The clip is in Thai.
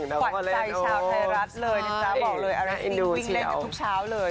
ขวัญใจชาวไทยรัฐเลยนะจ๊ะบอกเลยนี่วิ่งเล่นกันทุกเช้าเลย